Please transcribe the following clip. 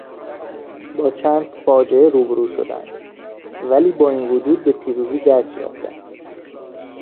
با چند فاجعه روبرو شدند ولی با این وجود به پیروزی دست یافتند.